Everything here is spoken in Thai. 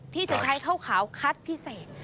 ที่จะใช้ข้าวขาวคัดพิเศษ